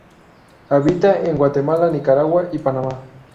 Habita en Guatemala, Nicaragua y Panamá.